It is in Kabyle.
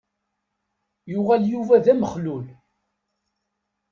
Yuɣal Yuba d amexlul.